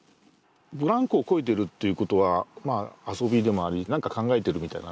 ブランコをこいでるということは遊びでもあり何か考えてるみたいなね。